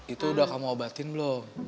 itu udah kamu obatin belum